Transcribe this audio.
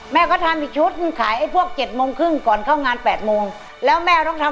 แม่ก็ทำอีกชุดหนึ่งขายไอ้พวกเจ็ดโมงครึ่งก่อนเข้างานแปดโมงแล้วแม่ต้องทำ